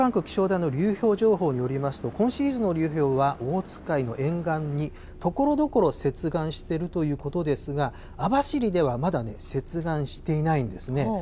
気象台の流氷情報によりますと、今シーズンの流氷は、オホーツク海の沿岸に、ところどころ接岸しているということですが、網走ではまだね、接岸していないんですね。